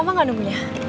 lama gak nemunya